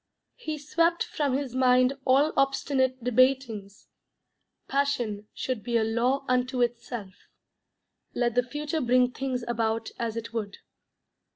He swept from his mind all obstinate debatings. Passion should be a law unto itself. Let the future bring things about as it would.